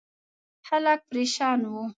خلک پرېشان وو.